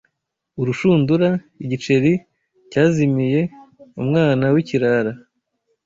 urushundura, igiceri cyazimiye, umwana w’ikirara